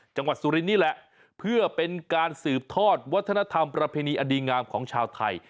สุรินนี่แหละเพื่อเป็นการสืบทอดวัฒนธรรมประเพณีอดีงามของชาวไทย